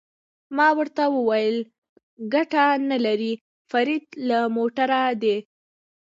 ما ورته وویل: ګټه نه لري، فرید له موټره دې.